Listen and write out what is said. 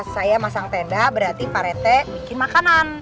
saya masang tenda berarti pak rete bikin makanan